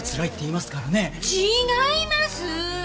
違います！